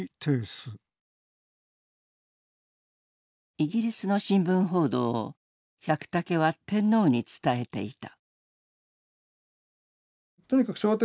イギリスの新聞報道を百武は天皇に伝えていた。